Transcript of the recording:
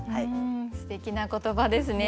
すてきな言葉ですね。